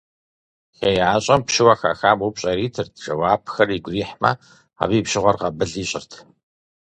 ХеящӀэм пщыуэ хахам упщӀэ иритырт, жэуапхэр игу ирихьмэ, абы и пщыгъуэр къэбыл ищӀырт.